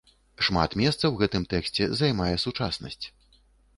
Шмат месца ў гэтым тэксце займае сучаснасць.